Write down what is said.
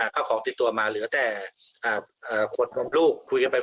แล้วมาเหลือแต่คนดนตร์ลูก